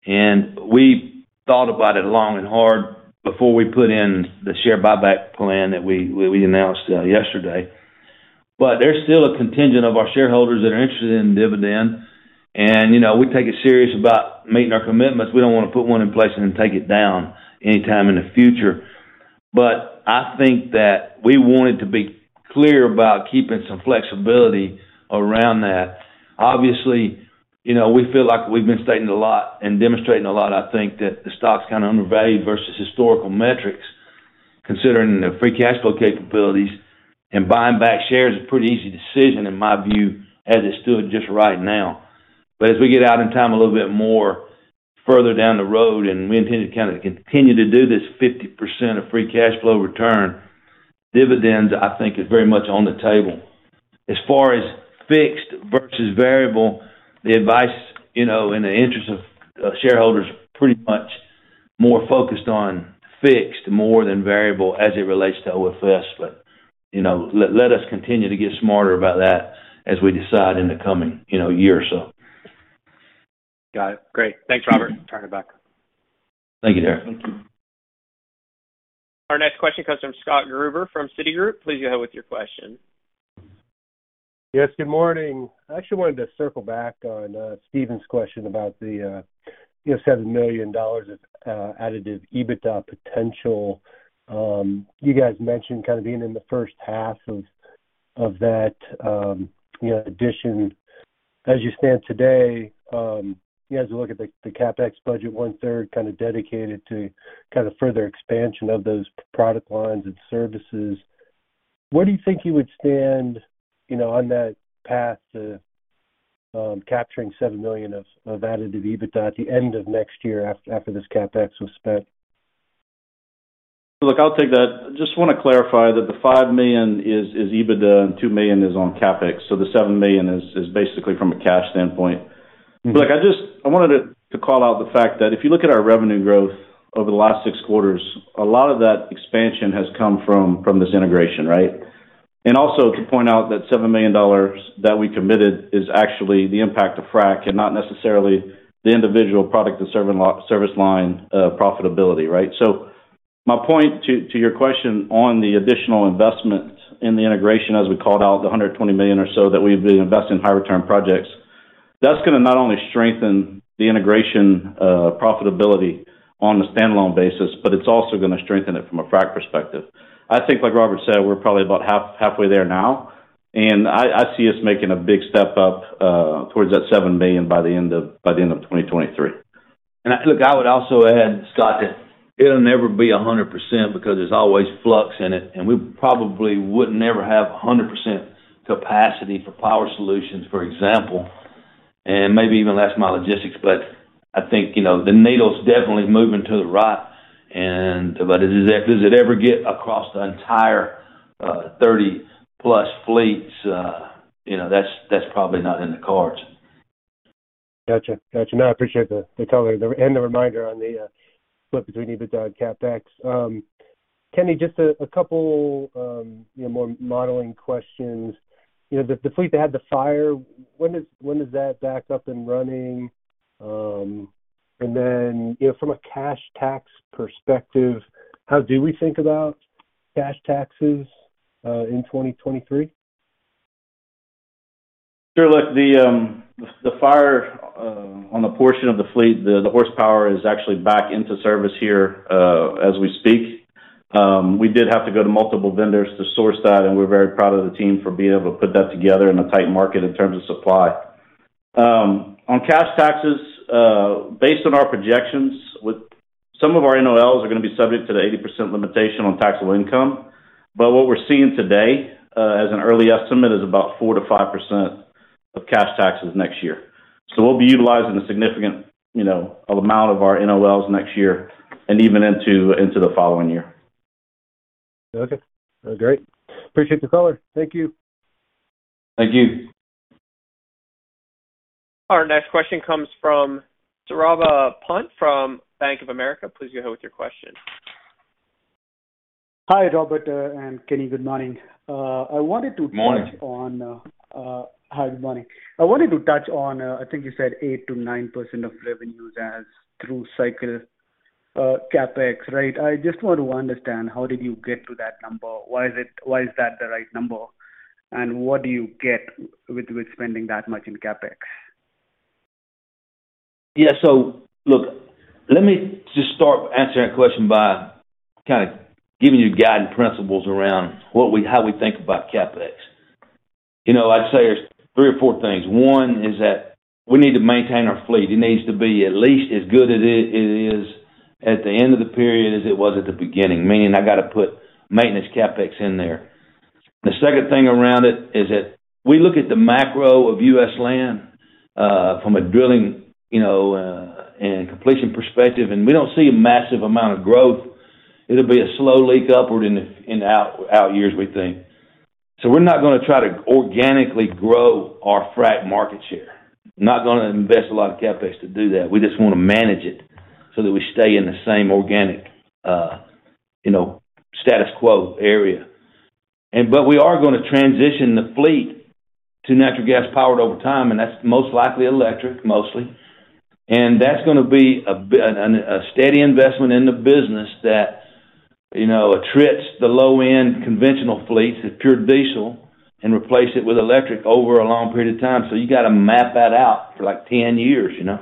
We thought about it long and hard before we put in the share buyback plan that we announced yesterday. There's still a contingent of our shareholders that are interested in dividend. You know, we take it serious about meeting our commitments. We don't want to put one in place and then take it down anytime in the future. I think that we wanted to be clear about keeping some flexibility around that. Obviously, you know, we feel like we've been stating a lot and demonstrating a lot. I think that the stock's kind of undervalued versus historical metrics, considering the free cash flow capabilities and buying back shares is a pretty easy decision in my view as it stood just right now. As we get out in time a little bit more further down the road, and we intend to kind of continue to do this 50% of free cash flow return, dividends, I think, is very much on the table. As far as fixed versus variable, the advice, you know, in the interest of, shareholders pretty much more focused on fixed more than variable as it relates to OFS. You know, let us continue to get smarter about that as we decide in the coming, you know, year or so. Got it. Great. Thanks, Robert. Turn it back. Thank you, Derek. Our next question comes from Scott Gruber from Citigroup. Please go ahead with your question. Yes, good morning. I actually wanted to circle back on Stephen's question about the, you know, $7 million of additive EBITDA potential. You guys mentioned kind of being in the first half of that, you know, addition. As you stand today, you guys look at the CapEx budget, one-third kind of dedicated to kind of further expansion of those product lines and services. Where do you think you would stand, you know, on that path to capturing $7 million of additive EBITDA at the end of next year after this CapEx was spent? Look, I'll take that. Just want to clarify that the $5 million is EBITDA and $2 million is on CapEx. The $7 million is basically from a cash standpoint. Mm-hmm. Look, I wanted to call out the fact that if you look at our revenue growth over the last six quarters, a lot of that expansion has come from this integration, right? Also to point out that $7 million that we committed is actually the impact of frac and not necessarily the individual product and service line profitability, right? My point to your question on the additional investments in the integration, as we called out the $120 million or so that we've been investing in high return projects, that's gonna not only strengthen the integration profitability on a standalone basis, but it's also gonna strengthen it from a frac perspective. I think like Robert said, we're probably about halfway there now, and I see us making a big step up towards that 7 million by the end of 2023. Look, I would also add, Scott, that it'll never be 100% because there's always flux in it, and we probably would never have 100% capacity for Power Solutions, for example, and maybe even less my logistics. But I think, you know, the needle's definitely moving to the right but does it ever get across the entire 30+ fleets? You know, that's probably not in the cards. Gotcha. Got you. No, I appreciate the color and the reminder on the split between EBITDA and CapEx. Kenny, just a couple, you know, more modeling questions. You know, the fleet that had the fire, when does that back up and running? You know, from a cash tax perspective, how do we think about cash taxes in 2023? Sure. Look, the fire on the portion of the fleet, the horsepower is actually back into service here, as we speak. We did have to go to multiple vendors to source that, and we're very proud of the team for being able to put that together in a tight market in terms of supply. On cash taxes, based on our projections with some of our NOLs are gonna be subject to the 80% limitation on taxable income. What we're seeing today, as an early estimate is about 4%-5% of cash taxes next year. We'll be utilizing a significant, you know, amount of our NOLs next year and even into the following year. Okay. Great. Appreciate the color. Thank you. Thank you. Our next question comes from Saurabh Pant from Bank of America. Please go ahead with your question. Hi, Robert and Kenny. Good morning. I wanted to touch- Morning. Hi, good morning. I wanted to touch on, I think you said 8%-9% of revenues as through-cycle CapEx, right? I just want to understand, how did you get to that number? Why is it, why is that the right number? And what do you get with spending that much in CapEx? Yeah. Look, let me just start answering that question by kind of giving you guiding principles around how we think about CapEx. You know, I'd say there's three or four things. One is that we need to maintain our fleet. It needs to be at least as good as it is at the end of the period as it was at the beginning, meaning I got to put maintenance CapEx in there. The second thing around it is that we look at the macro of U.S. land from a drilling, you know, and completion perspective, and we don't see a massive amount of growth. It'll be a slow leak upward in the out years, we think. We're not gonna try to organically grow our frac market share. Not gonna invest a lot of CapEx to do that. We just wanna manage it so that we stay in the same organic, you know, status quo area. We are gonna transition the fleet to natural gas powered over time, and that's most likely electric, mostly. That's gonna be a steady investment in the business that, you know, attrits the low-end conventional fleets, the pure diesel, and replace it with electric over a long period of time. You got to map that out for like 10 years, you know.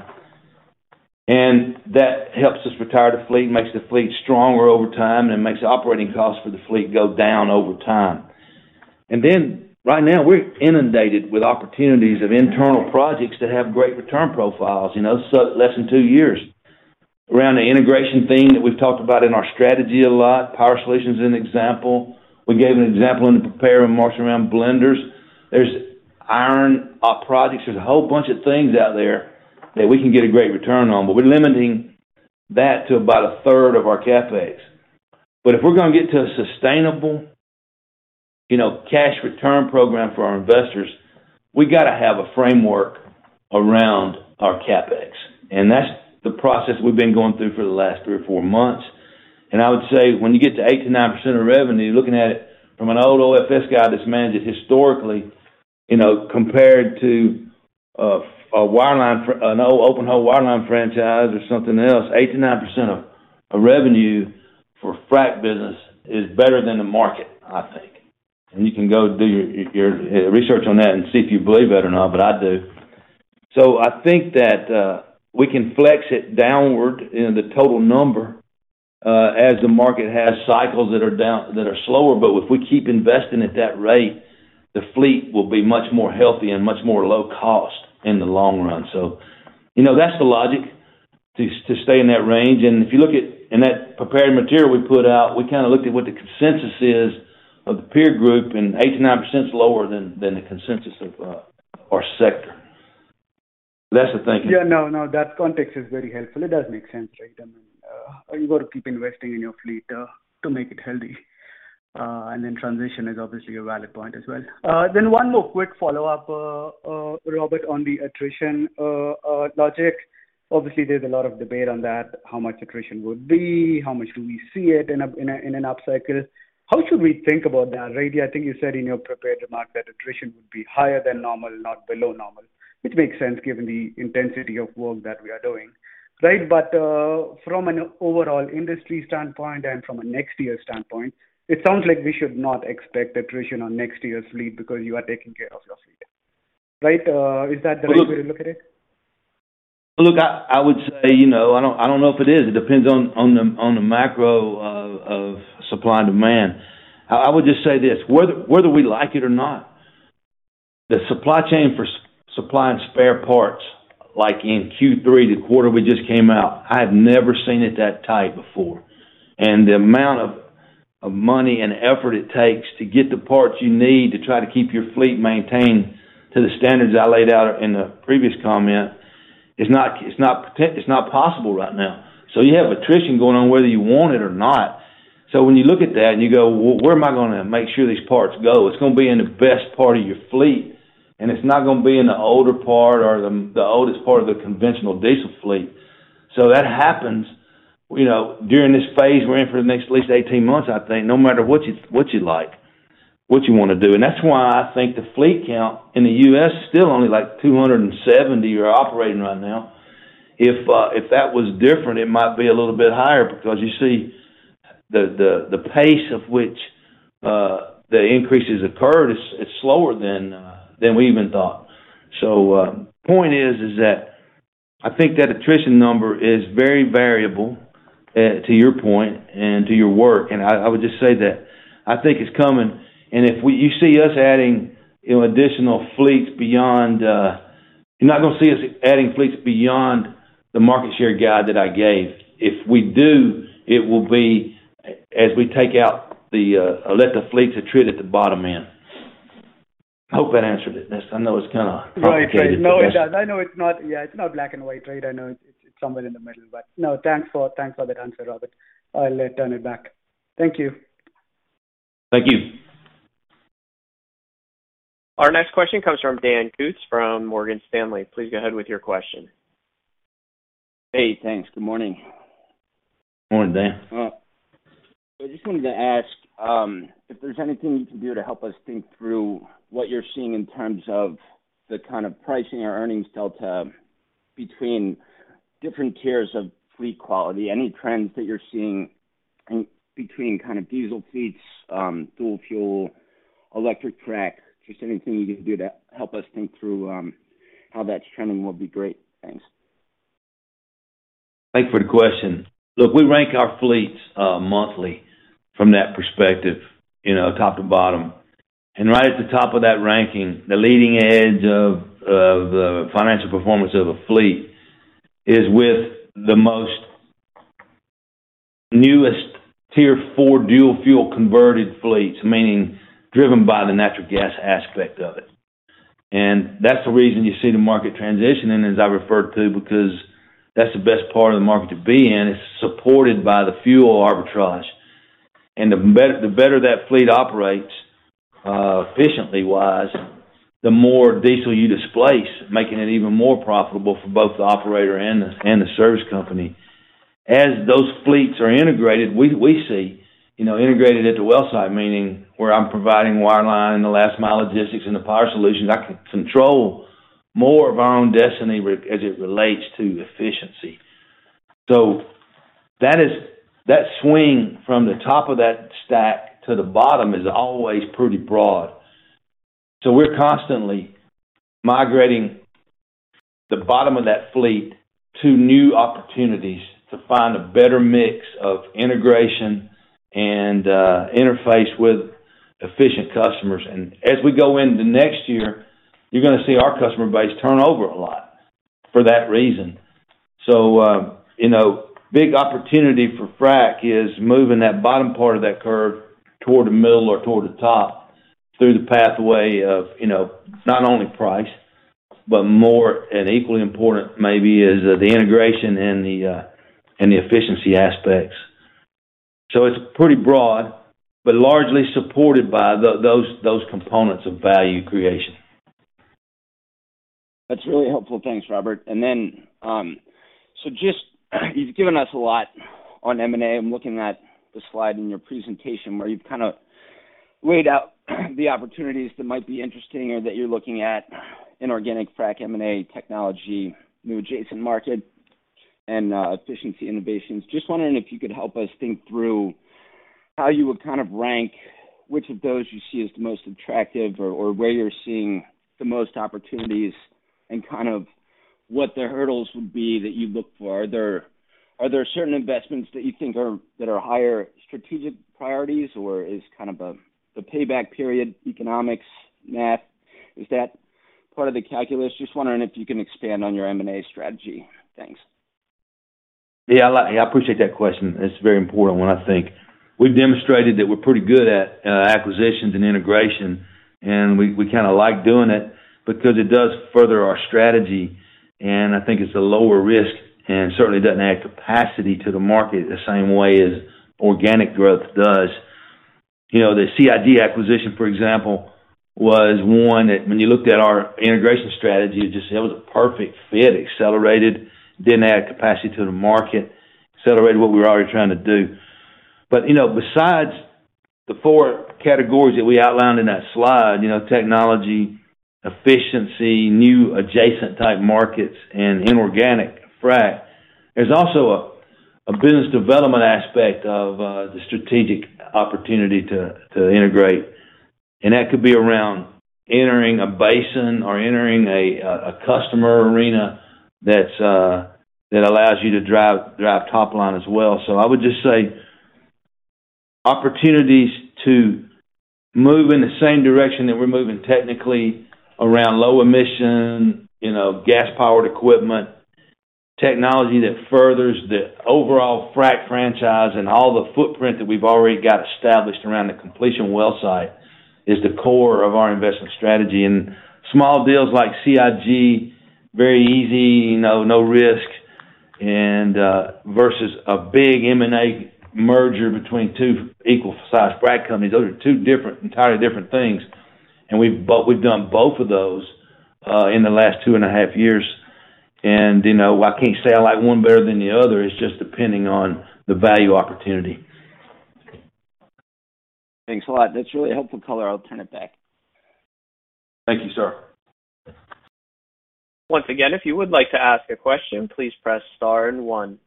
That helps us retire the fleet, makes the fleet stronger over time, and makes the operating costs for the fleet go down over time. Right now we're inundated with opportunities of internal projects that have great return profiles, you know, so less than two years. Around the integration theme that we've talked about in our strategy a lot. Power Solutions is an example. We gave an example in the prepared remarks around blenders. There's iron projects. There's a whole bunch of things out there that we can get a great return on, but we're limiting that to about a third of our CapEx. But if we're gonna get to a sustainable, you know, cash return program for our investors, we got to have a framework around our CapEx, and that's the process we've been going through for the last three or four months. I would say, when you get to 8%-9% of revenue, looking at it from an old OFS guy that's managed historically, you know, compared to an old open hole wireline franchise or something else, 8%-9% of revenue for frac business is better than the market, I think. You can go do your research on that and see if you believe it or not, but I do. I think that we can flex it downward in the total number as the market has cycles that are slower. If we keep investing at that rate, the fleet will be much more healthy and much more low cost in the long run. You know, that's the logic to stay in that range. If you look in that prepared material we put out, we kind of looked at what the consensus is of the peer group, and 8%-9% is lower than the consensus of our sector. That's the thinking. Yeah. No, no, that context is very helpful. It does make sense, right? I mean, you got to keep investing in your fleet to make it healthy. And then transition is obviously a valid point as well. Then one more quick follow-up, Robert, on the attrition logic. Obviously, there's a lot of debate on that. How much attrition would be? How much do we see it in an upcycle? How should we think about that? Right. I think you said in your prepared remark that attrition would be higher than normal, not below normal, which makes sense given the intensity of work that we are doing, right? From an overall industry standpoint and from a next year standpoint, it sounds like we should not expect attrition on next year's fleet because you are taking care of your fleet, right? Is that the way to look at it? Look, I would say, you know, I don't know if it is. It depends on the macro of supply and demand. I would just say this, whether we like it or not. The supply chain for supplying spare parts, like in Q3, the quarter we just came out, I have never seen it that tight before. And the amount of money and effort it takes to get the parts you need to try to keep your fleet maintained to the standards I laid out in the previous comment is not, it's not possible right now. You have attrition going on whether you want it or not. When you look at that and you go, "Well, where am I gonna make sure these parts go?" It's gonna be in the best part of your fleet, and it's not gonna be in the older part or the oldest part of the conventional diesel fleet. That happens, you know, during this phase we're in for the next at least 18 months, I think, no matter what you like, what you wanna do. That's why I think the fleet count in the U.S. still only like 270 are operating right now. If that was different, it might be a little bit higher because you see the pace of which the increases occur is slower than we even thought. Point is that I think that attrition number is very variable to your point and to your work. I would just say that I think it's coming and you see us adding, you know, additional fleets beyond. You're not gonna see us adding fleets beyond the market share guide that I gave. If we do, it will be as we take out, let the fleets attrit at the bottom end. I hope that answered it. Right. Complicated the question. No, it does. I know it's not, yeah, it's not black and white, right. I know it's somewhere in the middle, but no, thanks for the answer, Robert. I'll turn it back. Thank you. Thank you. Our next question comes from Daniel Kutz from Morgan Stanley. Please go ahead with your question. Hey, thanks. Good morning. Morning, Dan. I just wanted to ask if there's anything you can do to help us think through what you're seeing in terms of the kind of pricing or earnings delta between different tiers of fleet quality, any trends that you're seeing in between kind of diesel fleets, dual fuel, electric frac. Just anything you can do to help us think through how that's trending will be great. Thanks. Thanks for the question. Look, we rank our fleets monthly from that perspective, you know, top to bottom. Right at the top of that ranking, the leading edge of the financial performance of a fleet is with the most newest Tier 4 dual fuel converted fleets, meaning driven by the natural gas aspect of it. That's the reason you see the market transitioning as I referred to, because that's the best part of the market to be in. It's supported by the fuel arbitrage. The better that fleet operates efficiently wise, the more diesel you displace, making it even more profitable for both the operator and the service company. As those fleets are integrated, we see, you know, integrated at the well site, meaning where I'm providing wireline, the last mile logistics and the Power Solutions, I can control more of our own destiny as it relates to efficiency. That swing from the top of that stack to the bottom is always pretty broad. We're constantly migrating the bottom of that fleet to new opportunities to find a better mix of integration and interface with efficient customers. As we go into next year, you're gonna see our customer base turn over a lot for that reason. you know, big opportunity for frac is moving that bottom part of that curve toward the middle or toward the top through the pathway of, you know, not only price, but more and equally important maybe is the integration and the, and the efficiency aspects. It's pretty broad, but largely supported by those components of value creation. That's really helpful. Thanks, Robert. You've given us a lot on M&A. I'm looking at the slide in your presentation where you've kind of laid out the opportunities that might be interesting or that you're looking at inorganic frac M&A technology, new adjacent market and efficiency innovations. Just wondering if you could help us think through how you would kind of rank which of those you see as the most attractive or where you're seeing the most opportunities and kind of what the hurdles would be that you look for. Are there certain investments that you think are that are higher strategic priorities or is the payback period economics math, is that part of the calculus? Just wondering if you can expand on your M&A strategy. Thanks. Yeah, I appreciate that question. It's a very important one I think. We've demonstrated that we're pretty good at acquisitions and integration, and we kinda like doing it because it does further our strategy and I think it's a lower risk and certainly doesn't add capacity to the market the same way as organic growth does. You know, the CIG acquisition, for example, was one that when you looked at our integration strategy, just that was a perfect fit. Accelerated, didn't add capacity to the market, accelerated what we were already trying to do. You know, besides the four categories that we outlined in that slide, you know, technology, efficiency, new adjacent type markets and inorganic frac, there's also a business development aspect of the strategic opportunity to integrate. That could be around entering a basin or entering a customer arena that's that allows you to drive top line as well. I would just say opportunities to move in the same direction that we're moving technically around low emission, you know, gas-powered equipment, technology that furthers the overall frac franchise and all the footprint that we've already got established around the completion well site is the core of our investment strategy. Small deals like CIG, very easy, you know, no risk and versus a big M&A merger between two equal-sized frac companies. Those are two different entirely different things. We've done both of those in the last 2.5 years. You know, I can't say I like one better than the other. It's just depending on the value opportunity. Thanks a lot. That's really helpful color. I'll turn it back. Thank you, sir. Once again, if you would like to ask a question, please press star and one.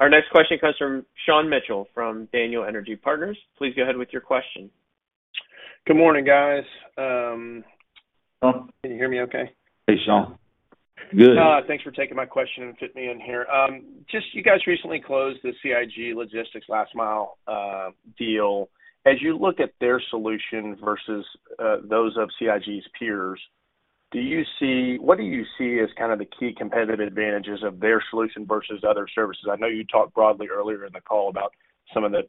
Our next question comes from Sean Mitchell from Daniel Energy Partners. Please go ahead with your question. Good morning, guys. Sean. Can you hear me okay? Hey, Sean. Good. Thanks for taking my question and fitting me in here. Just you guys recently closed the CIG Logistics last mile deal. As you look at their solution versus those of CIG's peers, what do you see as kind of the key competitive advantages of their solution versus other services? I know you talked broadly earlier in the call about some of the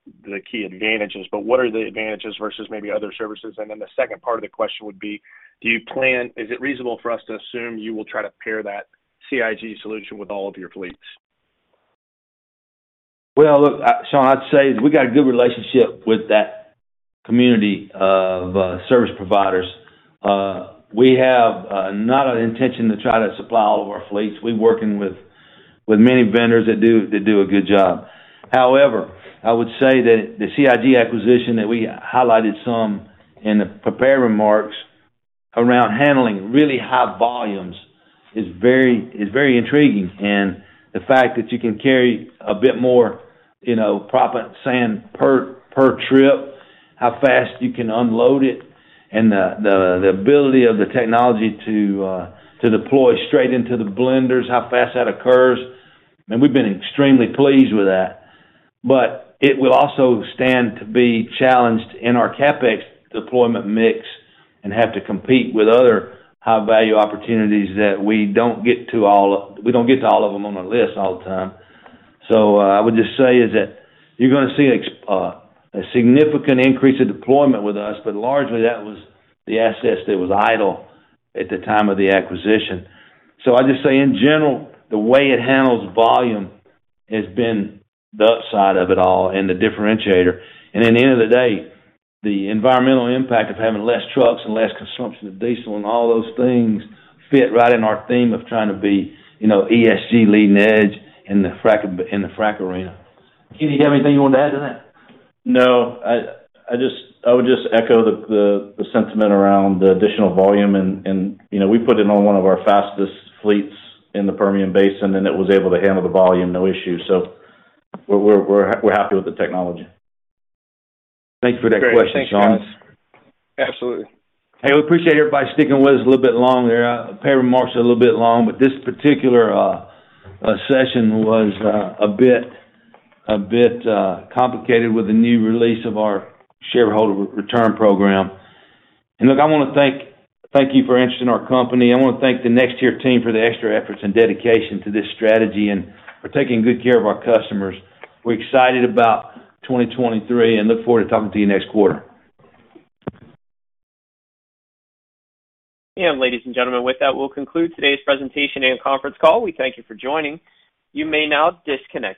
key advantages, but what are the advantages versus maybe other services? Then the second part of the question would be, is it reasonable for us to assume you will try to pair that CIG solution with all of your fleets? Well, look, Sean, I'd say we got a good relationship with that community of service providers. We have not an intention to try to supply all of our fleets. We're working with many vendors that do a good job. However, I would say that the CIG acquisition that we highlighted some in the prepared remarks around handling really high volumes is very intriguing. The fact that you can carry a bit more, you know, proppant sand per trip, how fast you can unload it, and the ability of the technology to deploy straight into the blenders, how fast that occurs. I mean, we've been extremely pleased with that. It will also stand to be challenged in our CapEx deployment mix and have to compete with other high-value opportunities that we don't get to all of. We don't get to all of them on the list all the time. I would just say is that you're gonna see a significant increase in deployment with us, but largely that was the assets that was idle at the time of the acquisition. I just say in general, the way it handles volume has been the upside of it all and the differentiator. At the end of the day, the environmental impact of having less trucks and less consumption of diesel and all those things fit right in our theme of trying to be, you know, ESG leading edge in the frac, in the frac arena. Keith, you have anything you want to add to that? No. I would just echo the sentiment around the additional volume and, you know, we put it on one of our fastest fleets in the Permian Basin, and it was able to handle the volume, no issue. We're happy with the technology. Thanks for that question, Sean. Great. Thanks, guys. Absolutely. Hey, we appreciate everybody sticking with us a little bit long there. Prepared remarks are a little bit long, but this particular session was a bit complicated with the new release of our shareholder return program. Look, I wanna thank you for your interest in our company. I wanna thank the NexTier team for the extra efforts and dedication to this strategy and for taking good care of our customers. We're excited about 2023 and look forward to talking to you next quarter. Ladies and gentlemen, with that, we'll conclude today's presentation and conference call. We thank you for joining. You may now disconnect.